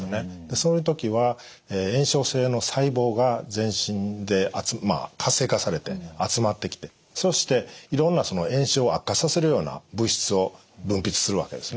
そういう時は炎症性の細胞が全身で活性化されて集まってきてそしていろんな炎症を悪化させるような物質を分泌するわけですね。